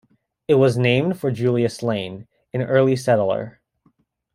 It was named for Julius Lane, an early settler.